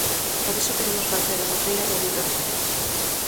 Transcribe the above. Por iso queremos facer unha Feira do Libro diferente.